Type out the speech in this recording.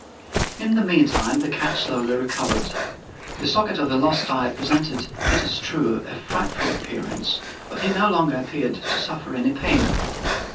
In the meantime the cat slowly recovered. The socket of the lost eye presented, it is true, a frightful appearance, but he no longer appeared to suffer any pain.